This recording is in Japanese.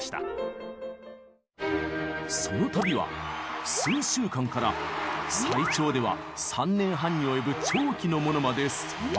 その旅は数週間から最長では３年半に及ぶ長期のものまでさまざま。